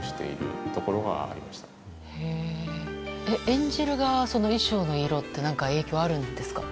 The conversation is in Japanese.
演じる側は衣装の色って何か影響あるんですか？